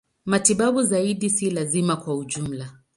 Matibabu zaidi si lazima kwa ujumla.